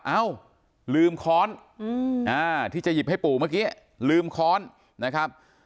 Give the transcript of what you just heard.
เอ้าลืมค้อนที่จะหยิบให้ปู่เมื่อกี้ลืมค้อนนะครับ